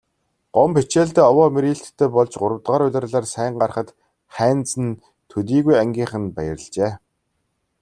Гомбо хичээлдээ овоо мэрийлттэй болж гуравдугаар улирлаар сайн гарахад Хайнзан төдийгүй ангийнхан нь баярлажээ.